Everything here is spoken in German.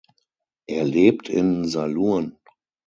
Er lebt in Salurn.